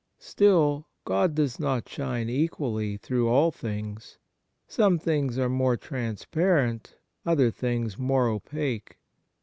Still, God does not shine equally through all things. Some things are more transparent, other things more opaque.